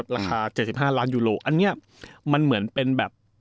ราคา๗๕ล้านยูโรอันนี้มันเหมือนเป็นแบบ